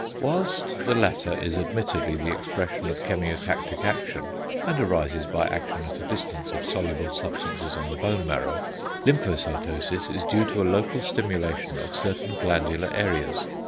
Whilst the latter is admittedly the expression of chemiotactic action, and arises by action at a distance of soluble substances on the bone marrow, lymphocytosis is due to a local stimulation of certain glandular areas.